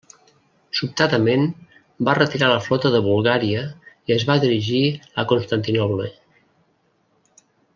Sobtadament va retirar la flota de Bulgària i es va dirigir a Constantinoble.